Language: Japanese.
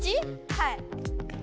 はい。